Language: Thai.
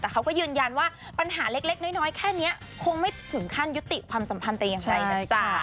แต่เขาก็ยืนยันว่าปัญหาเล็กน้อยแค่นี้คงไม่ถึงขั้นยุติความสัมพันธ์แต่อย่างใดนะจ๊ะ